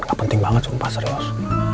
gak penting banget sumpah serius